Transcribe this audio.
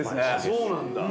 そうなんだ。